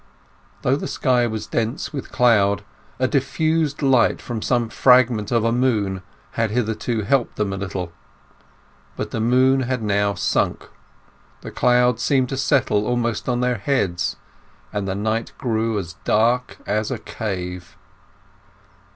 Though the sky was dense with cloud, a diffused light from some fragment of a moon had hitherto helped them a little. But the moon had now sunk, the clouds seemed to settle almost on their heads, and the night grew as dark as a cave.